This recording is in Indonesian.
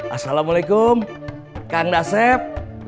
assalamualaikum kang dasep